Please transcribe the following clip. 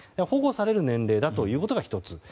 保護される年齢だということが１つ。